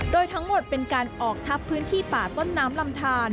โดยทั้งหมดเป็นการออกทับพื้นที่ป่าต้นน้ำลำทาน